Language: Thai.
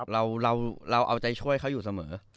เราเอาใจช่วยเขาอยู่เสมอ